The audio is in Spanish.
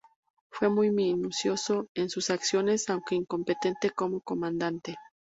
Fue muy minucioso en sus acciones, aunque incompetente como comandante.